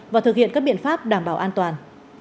và thực hiện các biện pháp đảm bảo an toàn